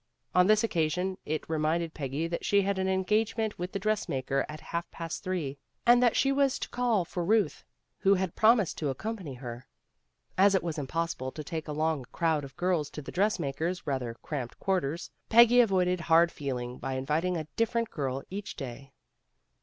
On this occasion it reminded Peggy that she had an engagement with the dressmaker at half past three, and that she was to call for Ruth, who had promised to accompany her. As it was impossible to take along a crowd of girls to the dressmaker's rather cramped quarters, Peggy avoided hard feeling by inviting a different girl each day.